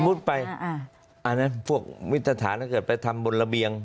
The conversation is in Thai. สมมุติไปพวกวิทยาศาสตร์นักเกิดไปทำบนระเบียง